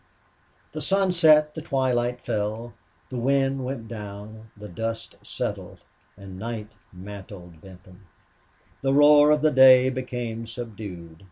The sun set, the twilight fell, the wind went down, the dust settled, and night mantled Benton. The roar of the day became subdued.